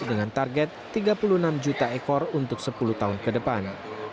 juta ekor untuk sepuluh tahun ke depan